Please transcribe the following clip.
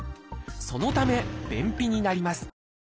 そのため便秘になります。